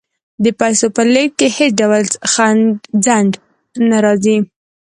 د پیسو په لیږد کې هیڅ ډول ځنډ نه راځي.